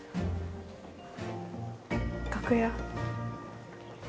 楽屋。